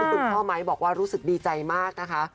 คุณพ่อไม้บอกว่ารู้สึกดีใจมากนะคะ